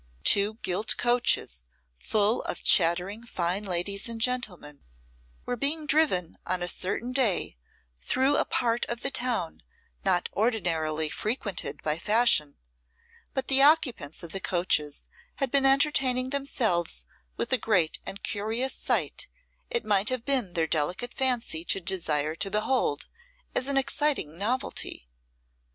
Two gilt coaches, full of chattering fine ladies and gentlemen, were being driven on a certain day through a part of the town not ordinarily frequented by fashion, but the occupants of the coaches had been entertaining themselves with a great and curious sight it had been their delicate fancy to desire to behold as an exciting novelty.